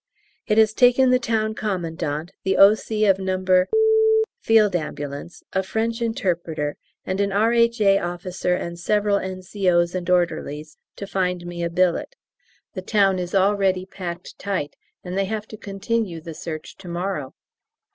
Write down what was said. It has taken the Town Commandant, the O.C. of No. F.A., a French interpreter, and an R.H.A. officer and several N.C.O.'s and orderlies, to find me a billet the town is already packed tight, and they have to continue the search to morrow.